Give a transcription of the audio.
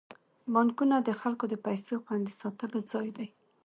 بانکونه د خلکو د پيسو خوندي ساتلو ځای دی.